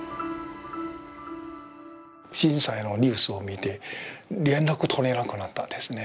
震災のニュースを見て、連絡取れなくなったですね。